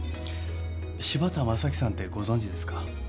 柴田雅樹さんってご存じですか？